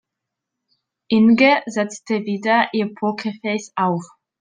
Inge setzte wieder ihr Pokerface auf.